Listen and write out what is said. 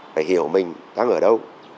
phải hiểu mình đang ở đâu